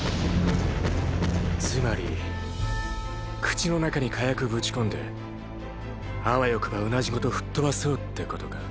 つまり口の中に火薬ぶち込んであわよくばうなじごと吹っ飛ばそうってことか？